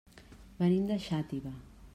Venim de Xàtiva.